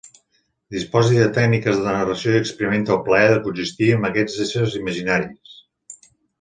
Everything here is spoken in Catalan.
Disposa de tècniques de narració i experimenta el plaer de coexistir amb aquests éssers imaginaris.